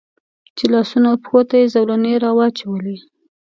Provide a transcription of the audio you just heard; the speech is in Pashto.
چې لاسونو او پښو ته یې زولنې را واچولې.